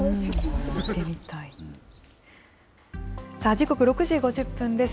時刻６時５０分です。